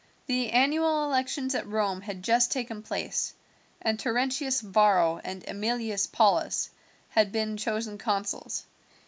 The annual elections at Rome had just taken place, and Terentius Varro and Emilius Paulus had been chosen consuls.